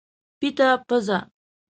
پیته پزه